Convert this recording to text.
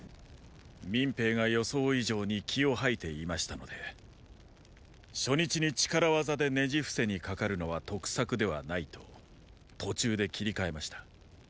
民兵が予想以上に気をはいていましたので初日に力業でねじふせにかかるのは得策ではないと途中で切り替えました。